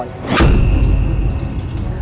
aku akan penggal kepalamu